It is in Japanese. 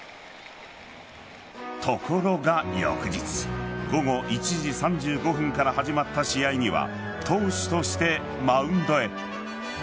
ところが翌日午後１時３５分から始まった試合には投手としてマウンドへ。